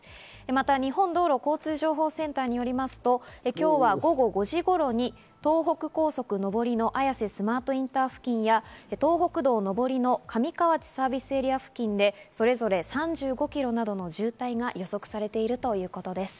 また、日本道路交通情報センターによりますと、今日は午後５時頃に東名高速上りの綾瀬スマートインター付近や、東北道上りの上河内サービスエリア付近でそれぞれ３５キロなどの渋滞が予想されているということです。